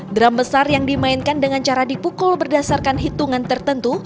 drum besar yang dimainkan dengan cara dipukul berdasarkan hitungan tertentu